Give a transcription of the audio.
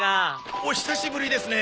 お久しぶりですね